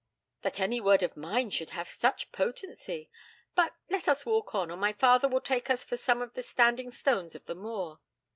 'That any word of mine should have such potency! But, let us walk on, or my father will take us for some of the standing stones of the moor.